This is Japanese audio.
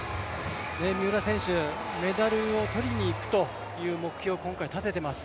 三浦選手、メダルを取りに行くという目標を今回立てています。